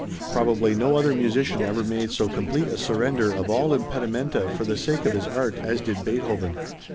Probably no other musician ever made so complete a surrender of all impedimenta for the sake of his art as did Beethoven.